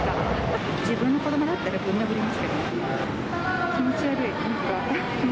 自分の子どもだったら、ぶん殴りますけどね。